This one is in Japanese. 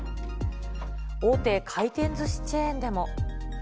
大手回転ずしチェーンでも。